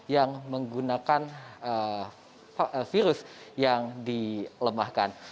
yang menggunakan virus yang dilemahkan